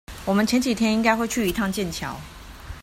我們前幾天應該會去一趟劍橋